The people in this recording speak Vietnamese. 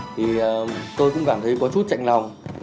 thì tôi cũng cảm thấy có chút chạnh lòng